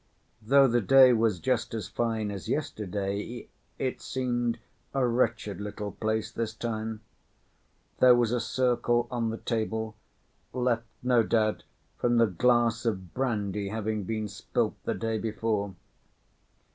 Though the day was just as fine as yesterday, it seemed a wretched little place this time. There was a circle on the table, left no doubt from the glass of brandy having been spilt the day before.